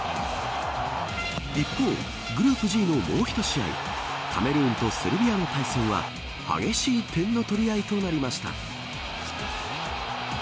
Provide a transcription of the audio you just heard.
一方、グループＧのもう１試合カメルーンとセルビアの対戦は激しい点の取り合いとなりました。